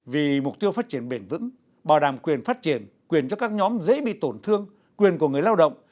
vì mục tiêu phát triển bền vững bảo đảm quyền phát triển quyền cho các nhóm dễ bị tổn thương quyền của người lao động